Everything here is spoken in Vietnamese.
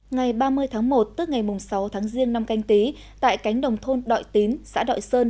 ngày ba mươi tháng một tức ngày sáu tháng riêng năm canh tí tại cánh đồng thôn đội tín xã đội sơn